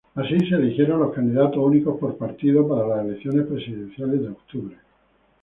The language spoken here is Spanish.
Así, se eligieron los candidatos únicos por partido para las elecciones presidenciales de octubre.